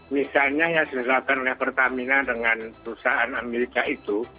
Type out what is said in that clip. misalnya yang diselesaikan oleh pertamina dengan perusahaan amerika itu